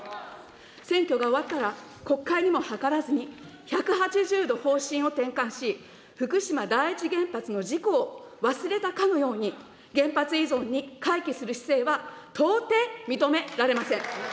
選挙が終わったら、国会にも諮らずに、１８０度方針を転換し、福島第一原発の事故を忘れたかのように、原発依存に回帰する姿勢は、到底認められません。